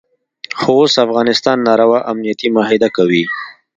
خو اوس افغانستان ناروا امنیتي معاهده کوي.